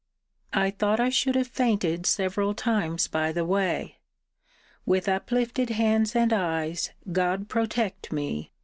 I thought I should have fainted several times by the way. With uplifted hands and eyes, God protect me!